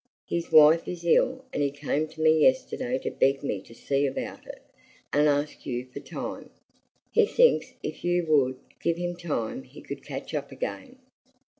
His wife is ill, and he came to me yesterday to beg me to see about it, and ask you for time. He thinks if you would give him time he could catch up again."